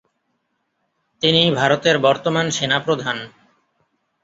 তিনি ভারতের বর্তমান সেনাপ্রধান।